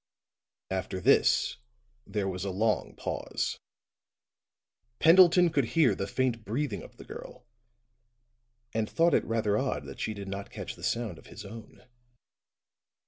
After this there was a long pause. Pendleton could hear the faint breathing of the girl, and thought it rather odd that she did not catch the sound of his own.